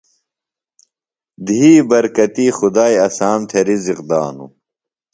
دھئی برکتیۡ خدائی اسام تھےۡ رزق دانوۡ۔